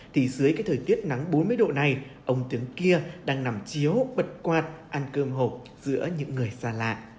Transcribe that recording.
thì dưới cái thời tiết nắng bốn mươi độ này ông tiếng kia đang nằm chiếu bật quạt ăn cơm hộp giữa những người xa lạ